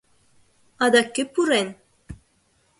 — Адак кӧ пурен?